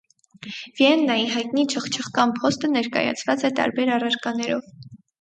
Վիեննայի հայտնի «չխկչխկան» փոստը ներկայացված է տարբեր առարկաներով։